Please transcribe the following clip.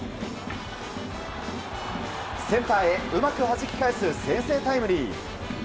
センターへうまくはじき返す先制タイムリー。